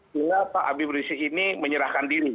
sehingga pak abib risi ini menyerahkan diri